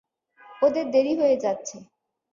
ওদের দেরি হয়ে যাচ্ছে।